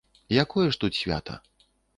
Якое ж тут свята?!